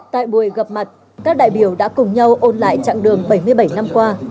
tại buổi gặp mặt các đại biểu đã cùng nhau ôn lại chặng đường bảy mươi bảy năm qua